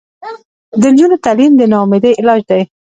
د نجونو تعلیم د ناامیدۍ علاج دی.